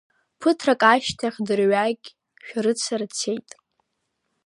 Ԥыҭрак ашьҭахь дырҩагь шәарыцара дцеит.